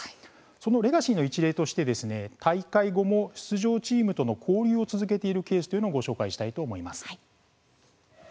そのレガシーの一例として大会後も出場チームとの交流を続けているケースというのをご紹介したいと思います。